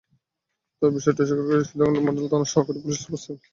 তবে বিষয়টি অস্বীকার করেছেন সীতাকুণ্ড মডেল থানার সহকারী পুলিশ সুপার সাইফুল ইসলাম।